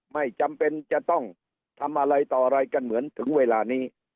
ไม่จำเป็นจะต้องทำอะไรต่ออะไรกันเหมือนถึงเวลานี้